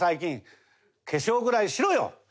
「化粧ぐらいしろよ！」。